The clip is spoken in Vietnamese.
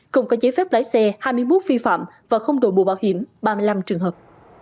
không có giấy phép lái xe hai mươi một vi phạm và không đổi mũ bảo hiểm ba mươi năm trường hợp